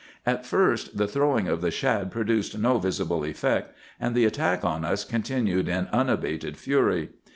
"At first the throwing of the shad produced no visible effect, and the attack on us continued in unabated fury.